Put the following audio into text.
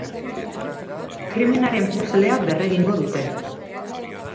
Krimenaren puzzlea berregingo dute.